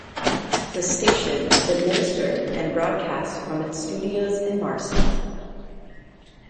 The station is administered and broadcasts from its studios in Marsa.